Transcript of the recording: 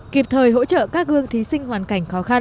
kịp thời hỗ trợ các gương thí sinh hoàn cảnh khó khăn